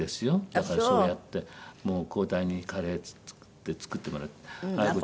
だからそうやってもう交代にカレー作って作ってもらって。